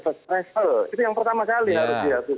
first level itu yang pertama kali harus